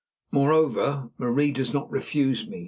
Moreover, Marie does not refuse me.